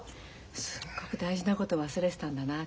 すっごく大事なこと忘れてたんだなって。